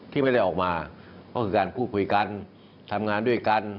ที่ไม่ได้ออกมาก็คือการพูดคุยกันทำงานด้วยกัน